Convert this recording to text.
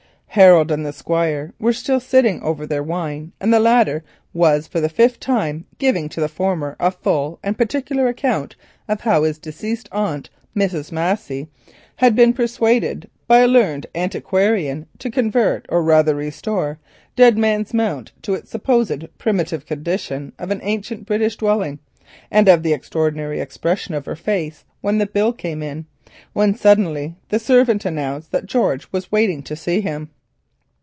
Harold and the Squire were still sitting over their wine. The latter was for the fifth time giving his guest a full and particular account of how his deceased aunt, Mrs. Massey, had been persuaded by a learned antiquarian to convert or rather to restore Dead Man's Mount into its supposed primitive condition of an ancient British dwelling, and of the extraordinary expression of her face when the bill came in, when suddenly the servant announced that George was waiting to see him.